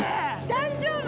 大丈夫？